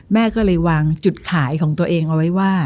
แม่ก็เลยวางจุดขายของตัวเองเอาไว้ว่า